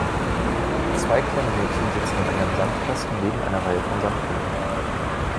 Zwei kleine Mädchen sitzen in einem Sandkasten neben einer Reihe von Sandburgen.